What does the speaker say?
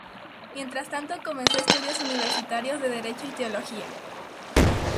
Mientras tanto, comenzó estudios universitarios de derecho y teología.